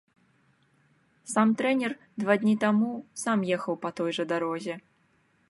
Сам трэнер два дні таму сам ехаў па той жа дарозе.